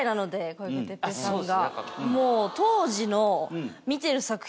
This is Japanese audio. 小池徹平さんが。